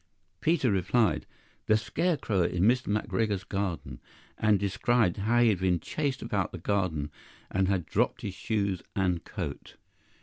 PETER replied "The scarecrow in Mr. McGregor's garden," and described how he had been chased about the garden, and had dropped his shoes and coat.